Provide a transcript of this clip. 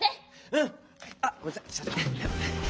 うん！あっごめんなさいちょっと。